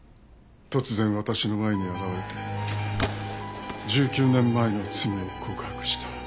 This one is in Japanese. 突然私の前に現れて１９年前の罪を告白した。